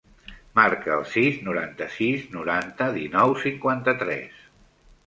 Marca el sis, noranta-sis, noranta, dinou, cinquanta-tres.